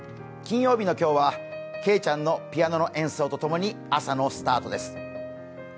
金曜日の今日はけいちゃんのピアノの演奏とともに、朝のスタートです。